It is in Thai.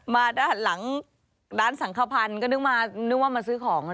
มาด้านหลังร้านสังขพันธ์ก็นึกมานึกว่ามาซื้อของ